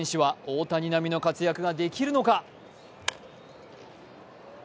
変わった選手は大谷並みの活躍ができるのか。